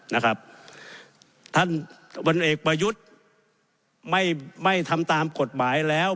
นะครับท่านพลเอกประยุทธ์ไม่ไม่ทำตามกฎหมายแล้ว